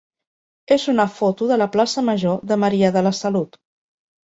és una foto de la plaça major de Maria de la Salut.